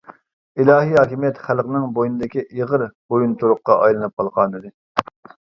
ئىلاھىي ھاكىمىيەت خەلقىنىڭ بوينىدىكى ئېغىر بويۇنتۇرۇققا ئايلىنىپ قالغانىدى.